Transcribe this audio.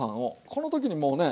この時にもうね